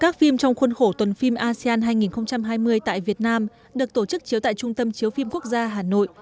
các phim trong khuôn khổ tuần phim asean hai nghìn hai mươi tại việt nam được tổ chức chiếu tại trung tâm chiếu phim quốc gia hà nội